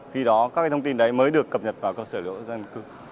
khi đó các thông tin đấy mới được cập nhật vào cơ sở dân cư